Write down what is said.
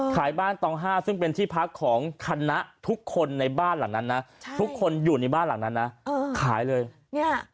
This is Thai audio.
ขายบ้านตองห้าซึ่งเป็นที่พักของคณะทุกคนในบ้านหลังนั้นนะทุกคนอยู่ในบ้านหลังนั้นนะขายเลยเนี่ย